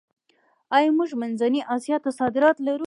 آیا موږ منځنۍ اسیا ته صادرات لرو؟